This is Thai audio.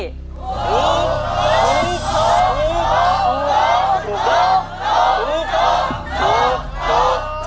ถูกถูกถูก